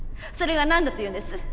それが何だというんです。